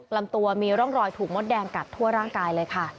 ลำตัวมีร่องรอยถูกมดแดงกัดทั่วร่างกายเลยค่ะ